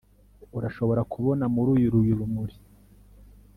Urashobora kubona muri uru rumuri